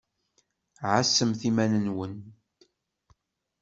Ɛassemt iman-nwent!